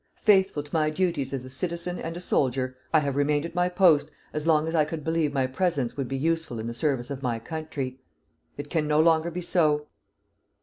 Faithful to my duties as a citizen and a soldier, I have remained at my post as long as I could believe my presence would be useful in the service of my country. It can no longer be so.